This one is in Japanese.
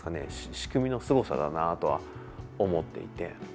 仕組みのすごさだなとは思っていて。